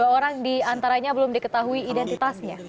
dua orang di antaranya belum diketahui identitasnya